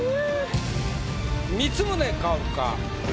光宗薫か？